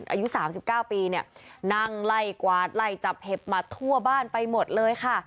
อายุ๓๙ปีเนี่ยนั่งไล่กวาดไล่จับเห็บมาทั่วบ้านไปหมดเลยค่ะ